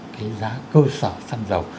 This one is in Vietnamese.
cái giá cơ sở xăng dầu